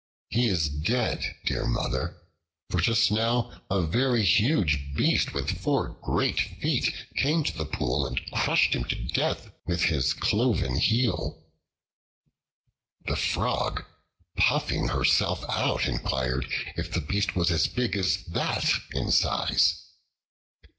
"He is dead, dear Mother; for just now a very huge beast with four great feet came to the pool and crushed him to death with his cloven heel." The Frog, puffing herself out, inquired, "if the beast was as big as that in size."